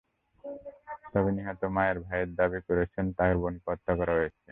তবে নিহত মায়ের ভাই দাবি করেছেন, তাঁর বোনকে হত্যা করা হয়েছে।